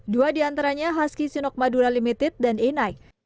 dua di antaranya husky sinok madura limited dan enai